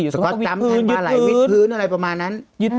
แต่ก็ตามแทงปาไหล่วิดพื้นอะไรประมาณนั้น